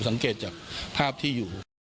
สังเกตจากภาพที่อยู่